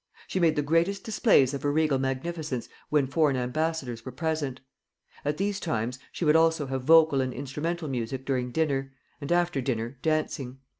She made the greatest displays of her regal magnificence when foreign ambassadors were present. At these times she would also have vocal and instrumental music during dinner; and after dinner, dancing."